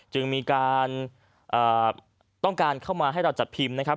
จึงมีการต้องการเข้ามาให้เราจัดพิมพ์นะครับ